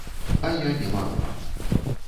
А я не магла.